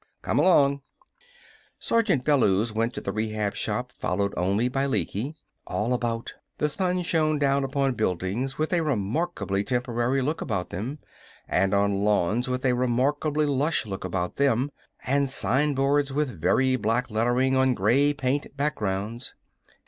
Come along!" Sergeant Bellews went to the Rehab Shop, followed only by Lecky. All about, the sun shone down upon buildings with a remarkably temporary look about them, and on lawns with a remarkably lush look about them, and signboards with very black lettering on gray paint backgrounds.